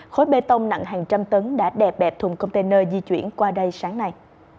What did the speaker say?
khối bê tông nặng hàng trăm tấn đã đẹp bẹp thùng container di chuyển qua đây sáng nay